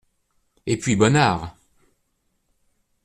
Et puis Bonnard.